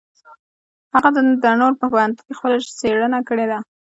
هغه د ډنور په پوهنتون کې خپله څېړنه کړې ده.